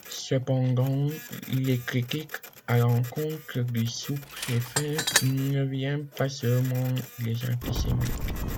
Cependant, les critiques à l'encontre du sous-préfet ne viennent pas seulement des antisémites.